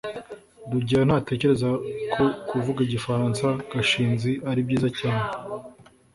rugeyo ntatekereza ko kuvuga igifaransa gashinzi ari byiza cyane